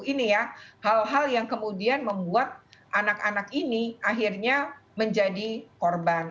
ini ya hal hal yang kemudian membuat anak anak ini akhirnya menjadi korban